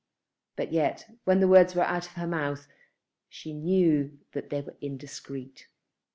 But yet, when the words were out of her mouth, she knew that they were indiscreet.